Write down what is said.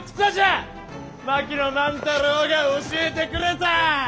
槙野万太郎が教えてくれた！